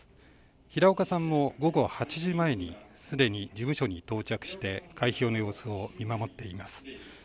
平岡さんも午後８時前にすでに事務所に到着して開票の様子を見守っています。